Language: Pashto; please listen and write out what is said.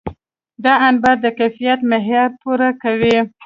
دا انبار د کیفیت معیار پوره کوي.